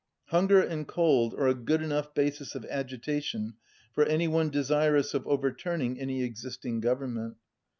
Hunger and cold are a good enough basis of agita tion for anyone desirous of overturning any exist ing government.